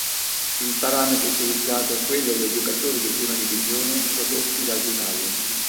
Il parametro utilizzato è quello dei giocatori di prima divisione prodotti dal vivaio.